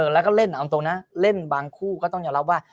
แล้วก็เล่นเอาตรงนะเล่นบางคู่ก็ต้องยอมรับว่า